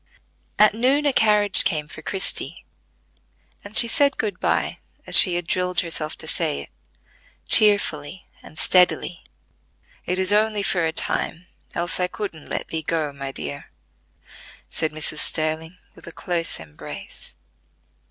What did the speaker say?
At noon a carriage came for Christie, and she said good by, as she had drilled herself to say it, cheerfully and steadily. "It is only for a time, else I couldn't let thee go, my dear," said Mrs. Sterling, with a close embrace.